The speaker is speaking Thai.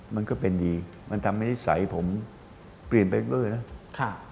มันก็เป็นดีมันทำให้นิสัยผมเปลี่ยนไปเวอร์นะ